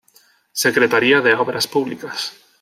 Secretaría de Obras Públicas.